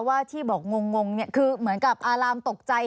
ว่าที่บอกงงคือเหมือนกับอารามตกใจ